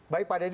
baik pak dedy